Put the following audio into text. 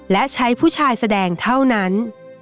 และใช้ผู้ชายแสดงเท่านั้น